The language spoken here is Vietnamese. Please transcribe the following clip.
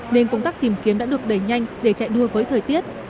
nên công tác tìm kiếm đã được đẩy nhanh để chạy đua với thời tiết